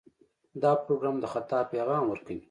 دا پروګرام د خطا پیغام ورکوي.